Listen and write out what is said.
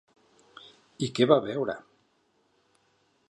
I què va veure?